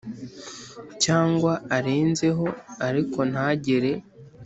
cyangwa arenzeho ariko ntagere